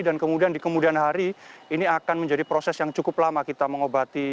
dan kemudian di kemudian hari ini akan menjadi proses yang cukup lama kita mengobati